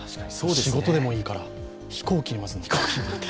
仕事でもいいから、飛行機にまず乗りたい。